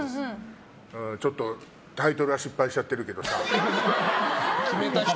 ちょっと、タイトルは失敗しちゃってるけどさ。